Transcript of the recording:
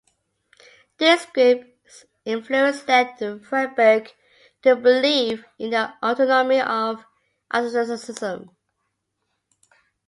This group's influence led Friedeberg to believe in the autonomy of aestheticism.